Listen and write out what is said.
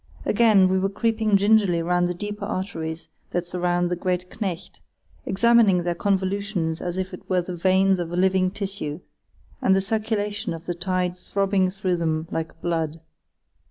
Again, we were creeping gingerly round the deeper arteries that surround the Great Knecht, examining their convolutions as it were the veins of a living tissue, and the circulation of the tide throbbing through them like blood.